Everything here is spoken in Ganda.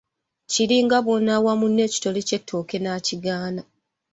Kiringa bw'onaawa munno ekitole ky'ettooke n'akigaana.